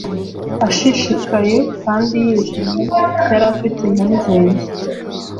Ashishikaye kandi yijimye yari afite impungenge